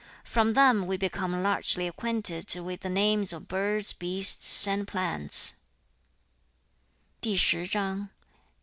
7. 'From them we become largely acquainted with the names of birds, beasts, and plants.'